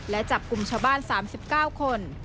และจับกลุ่มชาวบ้าน๓๙คน